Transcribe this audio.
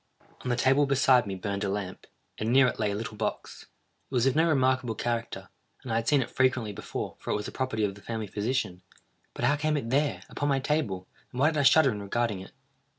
_" On the table beside me burned a lamp, and near it lay a little box. It was of no remarkable character, and I had seen it frequently before, for it was the property of the family physician; but how came it there, upon my table, and why did I shudder in regarding it?